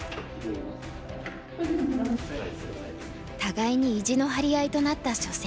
互いに意地の張り合いとなった初戦。